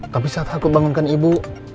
tapi saya takut bangunkan ibu